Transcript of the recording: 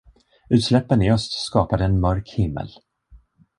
Utsläppen i öst skapade en mörk himmel.